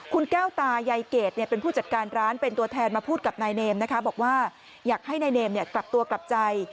คุณแก้วตายายเกดเป็นผู้จัดการร้านเป็นตัวแทนมาพูดกับนายเนมนะคะบอกว่าอยากให้นายเนมกลับตัวกลับใจ